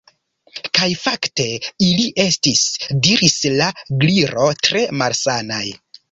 "Kaj fakte ili estis " diris la Gliro "tre malsanaj."